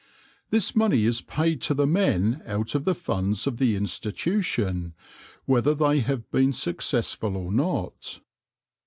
This money is paid to the men out of the funds of the Institution, whether they have been successful or not.